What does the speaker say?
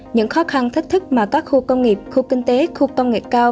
những khó khăn thách thức mà các khu công nghiệp khu kinh tế khu công nghệ cao